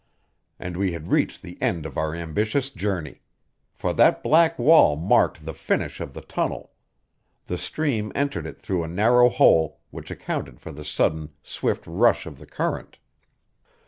And we had reached the end of our ambitious journey. For that black wall marked the finish of the tunnel; the stream entered it through a narrow hole, which accounted for the sudden, swift rush of the current.